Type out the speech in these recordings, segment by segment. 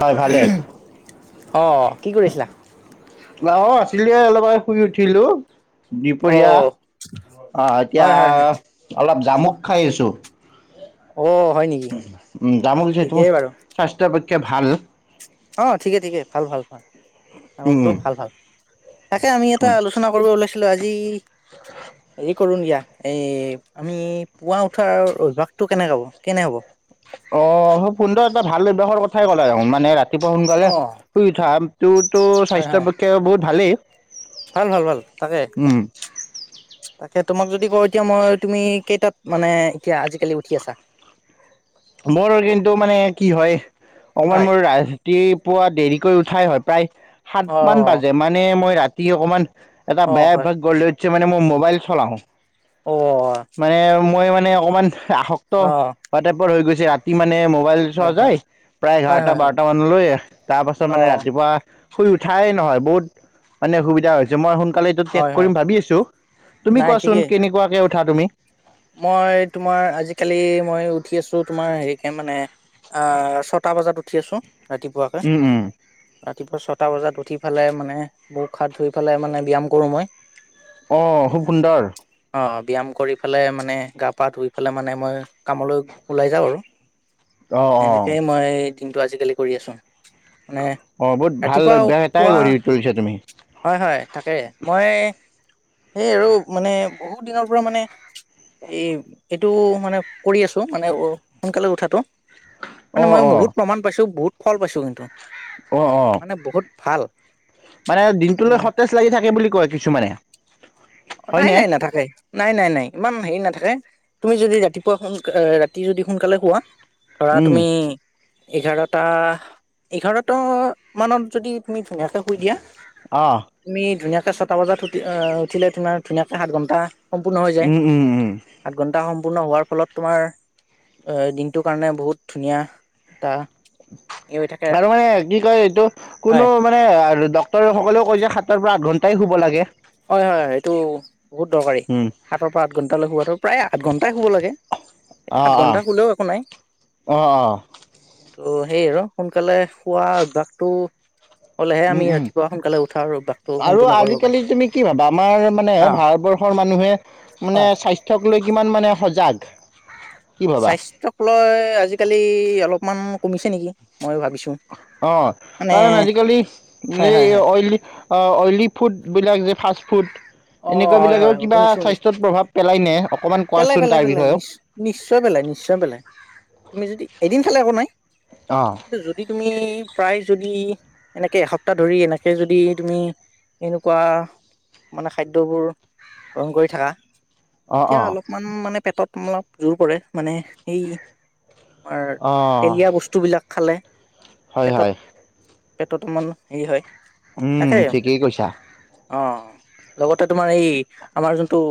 হয় ভালে অঁ কি কৰিছিলা ন আছিলে অলবাৰে শুই উঠিলো অ', দুপৰীয়া অ এতিয়া হয়, হয়, হয়, অলপ জামুক খাই আছোঁ অ হয় নেকি ঠিকেই বাৰু ক ভাল অ ঠিকে ঠিকে ভাল ভাল ভাল তমকতো উম ভাল ভাল তাকে আমি এটা উম আলোচনা কৰিব ওলাইছিলো আজি হেৰি কৰো ন দিয়া এই আমি পুৱা উঠাৰ অভ্যাসটো কেনেকুৱা হব কেনে হব অ খুব সুন্দৰ এটা ভাল অভ্যাসৰ কথাই ক'লে দেখোন মানে ৰাতি [unintelligible] ৰাতিপুৱা সোনকালে অ', শুই উঠা তটো তো হয়, স্বাস্থ্য হয়, পক্ষে বহুত ভালেই ভাল ভাল ভাল তাকে উম তাকে তোমাক যদি এতিয়া মই তুমি কেইটাত মানে এতিয়া আজিকালি উঠি আছা বৰৰ কিন্তু মানে কি হয় অকমান হয়, মোৰ ৰাইজ ৰাতিপুৱা দেৰিকৈ উঠাই হয় প্ৰায় সাত মান অ', বাজে মানে মই ৰাতি তি অকণমান এটা অ', বেয়া হয়, অভ্যাগ গলে মানে মই মোবাইল চলাওঁ অ', মানে মই মানে মানে অকণমান আসক্ত অ', বাা গৈছে ৰাতি ম মানে মোবাইল চোৱা হয়, হয়, যায় প্ৰায় হয়, এঘাৰটা হয়, হয়, বাৰটা মানলৈ তাৰ পাছত মানে অ', ৰাতিপুৱা শুই উঠাই নহয় বহুত মানে অসুবিধা হৈছে মই শু কাল এইটো তাগ হয়, হয়, কৰিম ভাবি আছো তুমি নাই কোৱাচোন ঠিকেই কেনেকুৱাকে উঠা তুমি মই তোমাৰ আজিকালি মই উঠি আছো তোমাৰ হেৰিকে মানে অ ছটা বজাত উ ঠিক আছ ৰাতিপুৱাকে, উম উম ৰাতিপুৱা ছটা বজাত। উঠি ফেলাই মানে, মুখ হাত ধুই পেলাই, মানে ব্যায়াম কৰো মই। অ' খুব সুন্দৰ। অ ব্যায়াম কৰি। ফালে মানে, গা পা ধুই পেলাই মানে মই। কামলৈ ওলাই যাওঁ আৰু। অ অ এনেকেই মই জিমটো আজিকালি কৰি আছো। [unintelligible] অ' বহুত ভাল ৰাতিপুৱা অভ্যাস এটাই গঢ়ি তুলিছা তুমি। থাকে, মই সেই আৰু মানে বহুত দিনৰ পৰা মানে। এ এইটো মানে কৰি আছো। মানে অ' সোনকালে উঠাটো। অ মানে মই অ বহুত প্ৰমাণ পাইছো। বহুত ফল পাইছোঁ কিন্তু। অ' অ' মানে বহুত ভাল মানে দিনটোলে সতেজ লাগি থাকে বুলি কয় কিছুমানে। অঁ' নাই হয়নে নাই নাথাকে। নাই, নাই, নাই ইমান হেৰি নাথাকে। তুমি যদি ৰাতিপুৱা সোন, ৰাতি যদি সোনকালে শোৱা। ধৰা উম তুমি এঘাৰটা, এঘাৰটা মানত যদি তুমি ধুনীয়াকে শুই দিয়া। অ তুমি ধুনীয়াকৈ। ছটা বজাত উঠি, অঁ উঠিলে। তোমাৰ ধুনীয়াকে সাত ঘণ্টা। সম্পূৰ্ণ হৈ যায়। উম উম উম সাত ঘন্টা সময়। সম্পূৰ্ণ হোৱাৰ ফলত তোমাৰ, এ দিনটোৰ কাৰণে বহুত ধুনীয়া। এটা ই হৈ থাকে আৰু মানে কি কয় এইটো হয় কোনো মানে ডক্তৰ সকলেও কৈছে সাতৰ পৰা আঠ ঘন্টা তাইও শুব লাগে। হয়, হয়, হয়, এইটো বহুত দৰকাৰী। উম। সাতৰ পৰা আঠ ঘন্টালৈ শুৱাটো। প্ৰায় আঠ ঘন্টাই শুব লাগে। কিন্তু অ', সাত অ', ঘন্টা শুলেও একো নাই অ', অ'। অঁ' সেই আৰু সোনকালে শুৱা অভ্যাসটো। হ'লেহে উম, আমি উম। ৰাতিপুৱা সোনকালে উঠাৰ আৰু অভ্যাসটো আৰু সম্পূৰ্ণ কৰিব পাৰিম। আজিকালি তুমি কি ভাবা? আমাৰ মানে অ', ভাৰতবৰ্ষৰ মানুহে মানে হয়। স্বাস্থ্যক। কলৈ, কিমান মানে সজাগ। কি ভাবা? স্বাস্থ্যক লৈ আজিকালি অলপ। অকনমান কমিছে নেকি। মই ভাবিছোঁ। অঁ' মানে কাৰণ আজিকালি হয়, হয়, এই' হয়। অইলি। অইলী ফুডবিলাক যে ফাষ্ট ফুড অঁ এনেকুৱা হয় বিলাকেও হয় হয় কিবা শুনিছো শুনিছো স্বাস্থ্যত প্ৰভাৱ পেলাই নে অকমান পেলাই কোৱাচোন পেলাই তাৰ পেলাই বিষয়েও। নি নিশ্চয় পেলাই নিশ্চয় পেলাই তুমি যদি এদিন খালে এককো নাই অ', এ যদি তুমি প্ৰায় যদি এনেকে এসপ্তাহ ধৰি এনেকে যদি তুমি এনেকুৱা মানে খাদ্যবোৰ ৰ্ৰহণ কৰি থকা অ', এতিয়া অ', অলপমান মানে পেটত অলপ জোৰ পৰে মানে এই তোমাৰ অ', তেলীয়া বস্তুবিলাক খালে হয় পেটত হয় পেটত অকণমান হেৰি হয় উম ঠিকেই কৈছা অঁ লগতে তোমাৰ এই আমাৰ যোনটো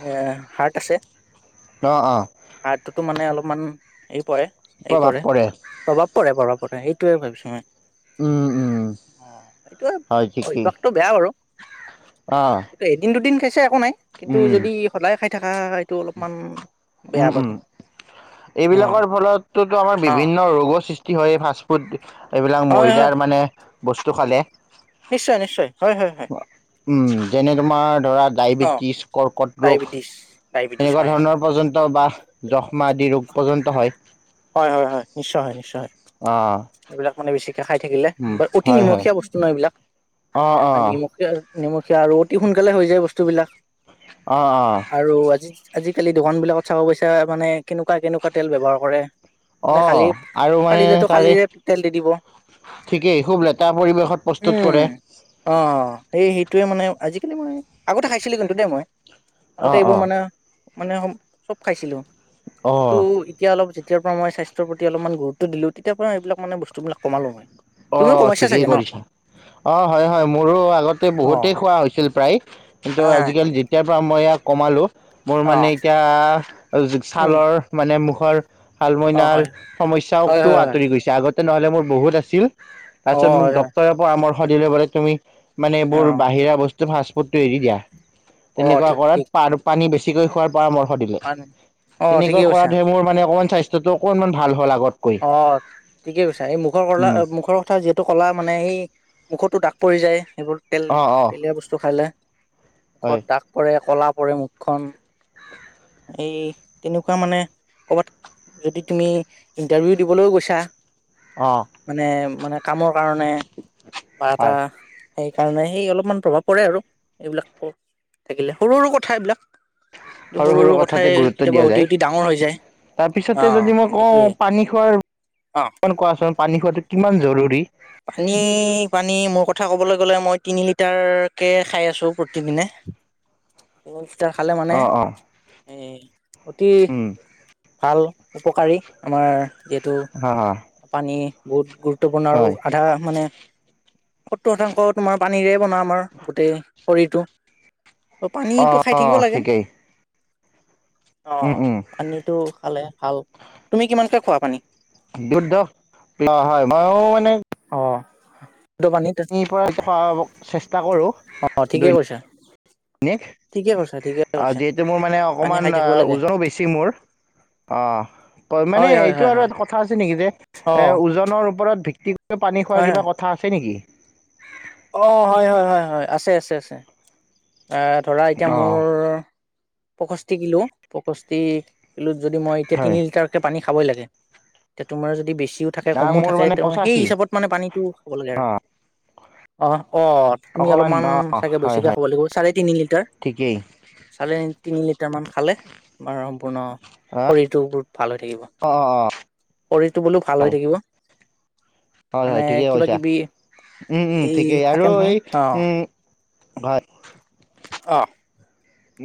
এ হাৰ্ট আছে অঁ অঁ তটো মানে অলপমান হেৰি পৰে এই পৰে প্ৰভাৱ পৰে প্ৰভাৱ ক সেইটোৱে ভাবিছো মই উম উম অ এইটোয়ে হয় অভ্যসটো বেয়া বাৰু অঁ কি দুদিন খাইছে একো নাই কিন্তু যদি সদায় খাই থকা এইটো অলপমান উম বেয়া উম বাৰু অ এইবিলাকৰ ফলতোতো আমাৰ অ বিভিন্ন ৰোগৰ সৃষ্টি কি হয় ফাষ্টফুড এইবিলাক হয় হয় ময়দাৰ মানে বস্তু খালে নিশ্চয় নিশ্চয় হয় হয় হয় উম যেনে তোমাৰ ডৰা অ ডায়বেটিচ ককট ৰূগ ডায়েবেটিছ ডায়েবেটিছ তেনেকুৱা হয় হয় ধৰণৰৰ [unintelligible] াহ যশ্মা আদি ৰোগ পৰ্যন্ত হয় উ হয় হয় হয় নিশ্চয় হয় নিশ্চয় হয় আহঁ এইবিলাক মানে [unintelligible] খাই থাকিলে ব অতি নিমখীয়া বস্তু নহয় এইবিলাক অ ম অ নিমখীয়া নিমখীয়া আৰু অতি সোনকালে হৈ যায় বস্তুবিলাক অ অ আৰু আজি আজিকালি দোকান বিলাকত চাব পইচা মানে কেনেকুৱা কেনেকুৱা তেল ব্যৱহাৰ কৰে অ মানে কালি আৰু মানে পাৰিলেতো তাৰে কালিৰে তেল দি দিব উম ঠিকেই খুব লেতেৰা পৰিৱেশত প্ৰস্তুত কৰে অ সেই সেইটোৱে মানে আজি খ মই আগতে খাইছিলো কিন্তু দেই মই অ আগতে এইবোৰ অ মানে মানে স চব খাইছিলো অ কিন্তু এতিয়া অলপ তেতিয়াৰ পৰা মই স্বাস্থ্যৰ প্ৰতি অলপ গুৰুত্ব দিলোঁ তেতিয়াৰ পৰা এইবিলাক মানে বস্তুবিলক কমালো মই অ তুমিও কমাইছা ঠিকেই চাগে ন কৰিছা অ হয় হয় মোৰো আগতে অ বহুতেই খোৱা হৈছিল প্ৰায় কিন্তু হয় হয় আজিকালি যেতিয়া তাৰ পৰা মই ইয়াক কমালোঁ মোৰ অ মানে এতিয়া উম ছালৰ মানে মুখ ঘ অ হয় হালমইনাৰ সমস্যা হয় হয় টো হয় আঁতৰি গৈছে আগতকৈও তেনেহ'লে মোৰ বহুত আছিল অ তাৰপিছত মোক হয় হয় ডক্তৰ ৰে পৰামৰ্শ অঁ' সদাই ৰ পৰা তুমি মানে অ এইবোৰ বাহিৰা বস্তু ফাষ্টপৰ্টটো এৰি দিয়া অ তেনেকুৱা ঠিক কৰাত ঠিক আৰু পানী বেছি ঠিক হৈ খোৱাৰ পৰামৰ্শ দিলে মানে অ তেনেকুৱা ঠিকেই কৈছা কৰাটোহে মোৰ মানে অকমান স্বাস্থ্য টো অকনমান ভাল হল আগত অঁ' ঠিকে কৈছা এই মুখৰ কলা উম, মুখৰ কথা যিহেতু ক'লা মানে সেই মুখতো দাগ পৰি যায় সেইবোৰ তেল অ' অ' তেলীয়া বস্তু খালে মুখত হয় দাগ পৰে কলা পৰে মুখখন এই তেনেকুৱা মানে কৰ'বাত যদি তুমি ইণ্টাৰভিউ দিবলৈও গৈছা অ' মানে মানে কামৰ কাৰণে বা এটা হয় সেই কাৰণে সেই অলপমান প্ৰভাৱ পৰে আৰু এইবিলাক থাকিলে সৰু সৰু কথা এইবিলাক সৰু সৰু কথাই কথাতে গুৰুত্ব কেতিয়াবা দিয়া অতি যায় অতি ডাঙৰ হৈ যায় অ তাৰপিছতে যদি মই সেইটোয়ে কওঁ পানী হৰ অ ক কোৱা চোন পানী খোৱাটো কিমান জৰুৰী পানী পানী মোৰ কথা ক'বলৈ গ'লে মই তিনি লিটাৰকে খাই আছো প্ৰতিদিনে অঁ' তেতিয়াৰ খালে মানে অ অ এ অতি উম ভাল উপকাৰী আমাৰ যিহেতু হা হা পানী বহুতু আপোনাৰ আৰু হয় আধা মানে সত্তৰ শতাংশ তোমাৰ পানীৰে বনা আমাৰ গোটেই শৰীৰটো অঁ' অ পানীটো খাই অ থাকিব লাগে ঠিকেই অ উম উম আনি। খালে ভাল তুমি কিমানকে খোৱা পানী। দুহ নহয় মইয়ো মানে। অঁহ। নিৰ পৰা চ চেষ্টা কৰোঁ অ ঠিকে দৈন। কৈছা ঠিকে কৈছা ঠিকে অঁ কৈছা যিহেতু মোৰ মানে পানী অকণমান খাই থাকিব লাগে ওজনো বেছি মোৰ অঁ মানে হয় হয় এইটো হয় আৰু হয় এটা কথা আছে নেকি যে। অ এ ওজনৰ ওপৰত। ভিত্তি। পানী খোৱাৰ হয় হয় কিবা কথা আছে নেকি। অ হয়, হয়, হয়, হয়, আছে, আছে, আছে। ধৰা এতিয়া অ মোৰ। পষষ্ঠি কিলো পষষ্ঠি কিলো। যদি মই এতি তি হয় লিটাৰকে পানী। খাবই লাগে এতিয়া তোমাৰ যদি বেছি। বেছিও থাকে কমো মোৰ থাকে মানে তেওঁ সেই পঁচাশী হিচাপত মানে পানীটো খাব লাগে আৰু। অ অ'হ। অ তুমি অকমান অলপমান অ চাগে হয় বেছিকে হয় খাব লাগিব চাৰে তিনি লিটাৰ ঠিকেই চাৰে। তিনি লিটাৰ মান খালে আমাৰ সম্পূৰ্ণ অ শৰীৰটো বহুত ভাল হৈ থাকিব অ অ অ শৰীৰটো বোলো ভাল হয় হৈ থাকিব। হয়, মানে হয় ঠিকেই কিবা কৈছা কিবি এই ঠিকেই থাকে আৰু নহয় এই অ হয়। অ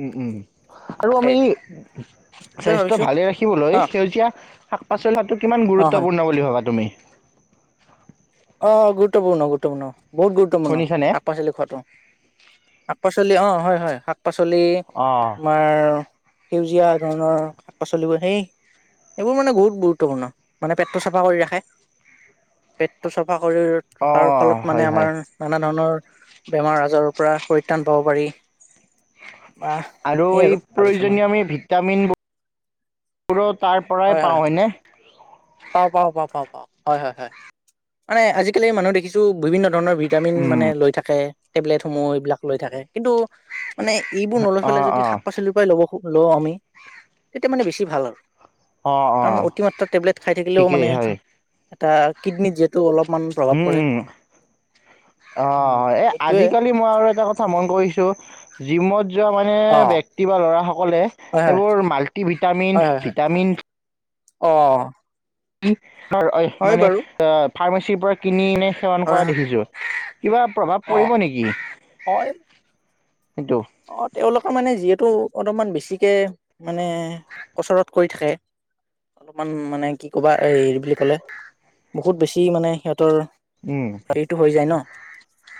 উম, উম। আৰু তাকে আমি সেইটোৱে স্বাস্থ্যৰ ভাবিছো ভালে ৰাখিবলৈ অ সেউজীয়া। শাক পাচলিাটো। কিমান অ হয় গুৰুত্বপূৰ্ণ বুলি ভাবা তুমি। অগুৰুত্বপূৰ্ণ গুৰুত্বপূৰ্ণ। বহুত গুৰুত্বপূৰ্ণ শুনিছানে শাক পাচলি খোৱাতটো। শাক পাচলি অ হয়, হয় শাক। শাক পাচলি অ আমাৰ। সেউজীয়া ধৰণৰ শাক পাচলিবোৰ সেই এইবোৰ মানে বহুত গুৰুত্বপূৰ্ণ মানে পেটটো চাফা কৰি ৰাখে পেট। তো চব। ৰা শৰীৰত অ ৰখাৰ ফলত মানে হয় আমাৰ হয় নানা ধৰণৰ। বেমাৰ আজাৰৰ পৰা পৰিত্ৰাণ পাব পাৰি। বা আৰু সেই এই ভাবিছো মই প্ৰয়োজনীয় আমি ভিটামিনবোৰবোৰো তাৰ পৰাই হয় হয় পাওঁ হয়নে পাওঁ পাওঁ পাওঁ পাওঁ পাওঁ হয় হয় হয় মানে আজিকালি মানুহ দেখিছো বিভিন্ন ধৰণৰ ভিটামিন উম মানে লৈ থাকে টেবলেট সমূহ এইবিলাক লৈ থাকে কিন্তু মানে এইবোৰ নলৈ অ ফালে যদি অ শাক পাচলিৰ পৰাই ল'ব খুব ল' আমি তেতিয়া মানে বেছি ভাল আৰু অ অ কাৰণ অতিমাত্ৰ টেবলেটত খাই থাকিলেও মানে ঠিকেই হয় এটা কিডনী যিহেতু অলপ উম উম উম অঁ এই সেইটোয়ে আজিকালি মই আৰু এটা কথা মন কৰিছো জিমত যোৱা মানে অ ব্যক্তি বা ল'ৰাসকলে হয় হয় এইবোৰ মাল্টি ভিটামিন ভিটামিন অঁ কি অঁ মানে অঁ ফাৰ্মেচীৰ পৰা কিনি এনে সেৱন হয় কৰা হয় দেখিছো কিবা প্ৰভাৱ অ পৰিব নেকি সেইটো? অঁ তেওঁলোকৰ মানে যিহেতু সিটো অলপমান বেছিকে মানে কচৰত কৰি থাকে অলপমান মানে কি ক'বা হেৰি বুলি ক'লে বহুত বেছি মানে সিহঁত ৰ উম, হেৰিতটো হৈ যায় ন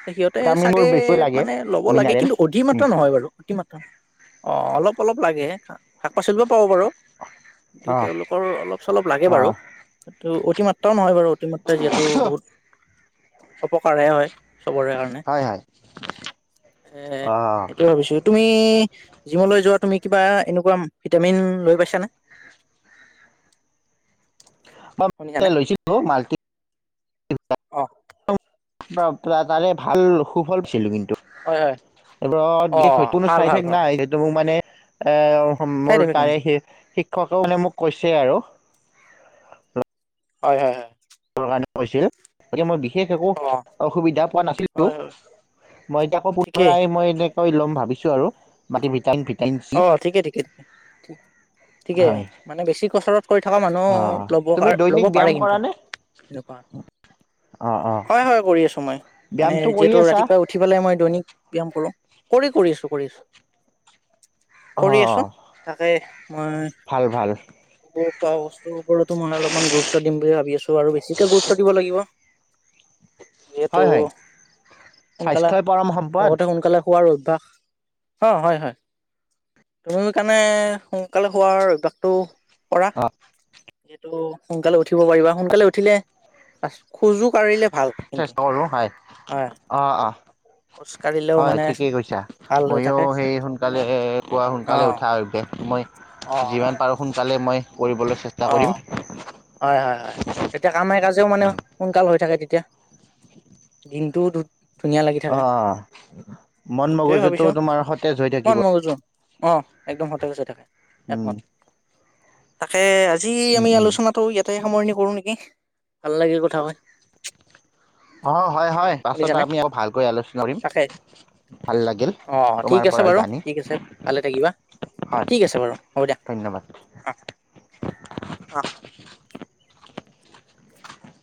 সিহঁতে ভিটামিনবোৰ চাগে বেছি লাগে মানে ল'ব লাগে মিনাৰেল কিন্তু অধিক মাত্ৰ উম, হয় বাৰু অঁ অঁ অলপ অলপ লাগে পাচলিব পাব বাৰু কিন্তু অ', তেওঁলোকৰ অলপ চলপ লাগে বাৰু অ', অতি মাত্ৰ নহয় বাৰু অতিমাত্ৰা যিহেতু বহুত অপকাৰে হয় চবৰে কাৰণে হয়, হয়, এ অ', এইটো ভাবিছো তুমি জিমলৈ যোৱা তুমি কিবা এনেকুৱা ভিটামিন লৈ পাইছানে লৈছিলো মাল্টি অঁহ অ তাৰে ভাল সুফল পাইছিলো কিন্তু হয় হয় এইবোৰত অ বিশেষকৈ কোনো ভাল ভাল চাইতএফেক্ট ভাল নাই সেইটো মোক মানে এ অ চাই মোৰ দিবি কিনে তাৰে সে সেই লগতোয়ে মোক কৈছে আৰু হয় হয় হয় জবৰ কাৰণে কৈছিল গতিকে মই বিশেষ বিশেষ একো অ অসুবিধা পোৱা নাছিলোঁ হয় হয় মই এতিয়া আকৌ ঠিকেই পুনৰাই মই এনে হয় ল'ম ভাবিছো আৰু মাটি বিকা নেকি অ ঠিকে ঠিকে ঠিকে ঠিকে হয় মানে বেছি কচৰত কৰি থকা মানুহ অ লব তুমি কাৰ ল'ব দৈনিক পাৰে ব্যায়াম কিন্তু কৰা নে এনেকোৱা অ অ হয় হয় কৰি আছো মই মানে ব্যায়ামটো কৰি যিহেতু আছা ৰাতিপুৱাই উঠি পেলাই মই দৈনিক ব্যায়াম কৰো কৰি কৰি আছো কৰি আছো অ কৰি আছো তাকে মই ভাল ভাল এইবোৰ খোৱা বস্তুৰ ওপৰতো মই অলপমান গুৰুত্ব দিম বুলি ভাবি আছো ত আৰু বেছিকে গুৰুত্ব দিব লাগিব যিহেতু হয় হয় সোনকালে স্বাস্থ্যই পৰম সম্পদ লগতে সোনকালে শুৱাৰো তাখ অ হয় হয় তুমি সেইকাৰণে সোনকালে হোৱাৰ অভ্যাসটো কৰা অ যিহেতু ত সোনকালে উঠিব পাৰিবা সোনকালে উঠিলে খোজো কাঢ়িলে ভাল কিন্তু চেষ্টা কৰো হয় হয় অ অ খোজ কাঢ়িলেও হয় মানে ঠিকেই কৈছা ভাল হৈ ময়ো থাকে। সেই সোনকালে পুৱা অ', সোনকালে উঠাৰ অভ্যাস মই অ', যিমান পাৰো সোনকালে মই কৰিবলৈ চেষ্টা অ কৰিম। হয় হয় হয় তেতিয়া কামে কাজে একদম মানে সোনকাল হৈ থাকে তেতিয়া দিনটো অ মন এইটোয়ে ভাবিছো মগজুটো তোমাৰ সতেজ হৈ মন থাকিব মগজু অ একদম সতেজ হৈ থাকে উম, একমাত্ৰ তাকে এ আজি উম, আমি উম, আলোচনাটো ইয়াতে সামৰণি কৰো নেকি ভাল লাগিল কথা হয় অ হয় হয় পাছত আমি আকৌ ভালকৈ আলোচনা কৰিম তাকে ভাল লাগিল অ', ঠিক তোমাৰ আছে পৰা বাৰু জানি ঠিক আছে ভালে থাকিবা হয় ঠিক আছে ধন্যবাদ অহ